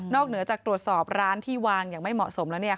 เหนือจากตรวจสอบร้านที่วางอย่างไม่เหมาะสมแล้ว